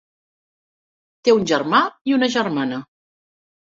Té un germà i una germana.